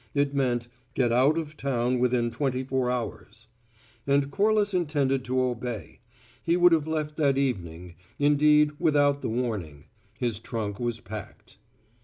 It meant: "Get out of town within twenty four hours." And Corliss intended to obey. He would have left that evening, indeed, without the warning; his trunk was packed.